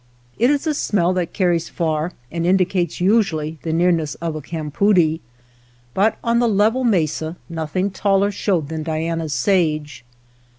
It is a smell that carries far and indi cates usually the nearness of a campoodie, but on the level mesa nothing taller showed than Diana's sage.